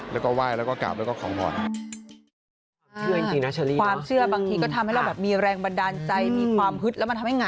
แล้วก็ไหว้แล้วก็กราบแล้วก็ขอพร